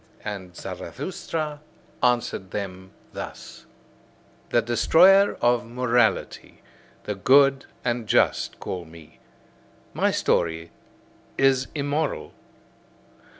And Zarathustra answered them thus: The destroyer of morality, the good and just call me: my story is immoral.